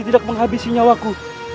tidak menghabisi nyawaku